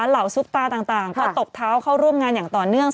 เหล่าซุปตาต่างก็ตบเท้าเข้าร่วมงานอย่างต่อเนื่อง